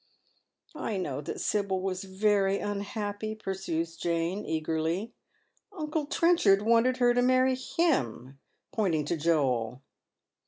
'" I know that Sibyl was very unhappy," pursues Jane, eagerly. *' Uncle Trenchard wanted her to marry him," pointing to Joel.